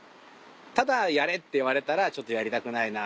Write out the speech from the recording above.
ただ「やれ」って言われたら「ちょっとやりたくないな」。